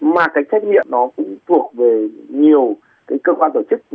mà cái trách nhiệm nó cũng thuộc về nhiều cái cơ quan tổ chức